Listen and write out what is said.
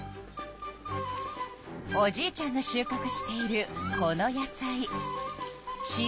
おじいちゃんがしゅうかくしているこの野菜